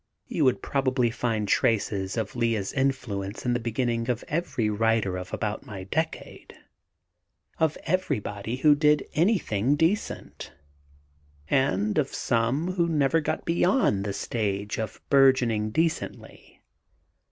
You would probably find traces of Lea's influence in the beginnings of every writer of about my decade; of everybody who ever did anything decent, and of some who never got beyond the stage of burgeoning decently.